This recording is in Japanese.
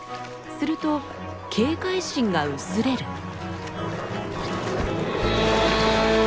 すると警戒心が薄れる。